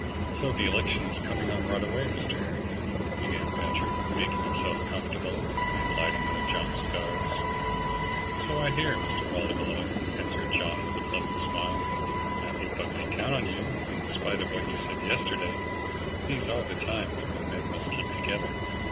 "So the election is coming on right away, Mr. Harrington," began Patrick, making himself comfortable, and lighting one of John's cigars. "So I hear, Mr. Ballymolloy," answered John with a pleasant smile. "I hope I may count on you, in spite of what you said yesterday. These are the times when men must keep together."